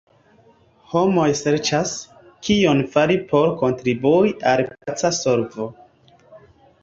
Homoj serĉas, kion fari por kontribui al paca solvo.